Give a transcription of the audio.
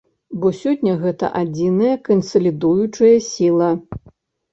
Бо сёння гэта адзіная кансалідуючая сіла.